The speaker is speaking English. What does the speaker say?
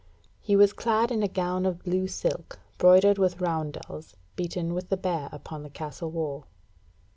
He was clad in a gown of blue silk, broidered with roundels beaten with the Bear upon the Castle wall.